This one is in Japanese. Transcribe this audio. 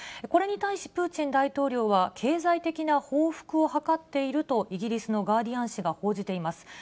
これに対し、プーチン大統領は経済的な報復を図っているとイギリスのガーディアン紙が報じています。